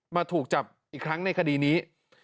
มาถูกจับอีกครั้งในคดีนี้